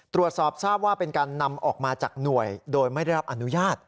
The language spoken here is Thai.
ตรวจสอบทราบว่าเป็นการนำออกมาจากหน่วยโดยไม่ได้รับอนุญาต